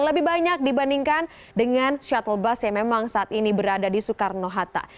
lebih banyak dibandingkan dengan shuttle bus yang memang saat ini berada di soekarno hatta